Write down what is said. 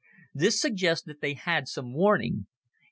This suggests that they had some warning.